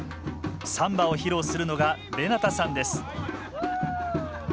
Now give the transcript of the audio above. サンバを披露するのがレナタさんです